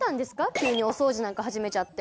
急にお掃除なんか始めちゃって。